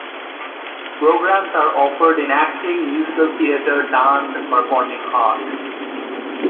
Programs are offered in Acting, Musical Theatre, Dance and Performing Arts.